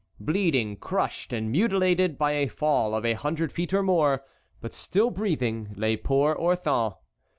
Bleeding, crushed, and mutilated by a fall of a hundred feet or more, but still breathing, lay poor Orthon.